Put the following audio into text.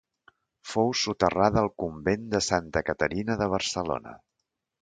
Fou soterrada al convent de Santa Caterina de Barcelona.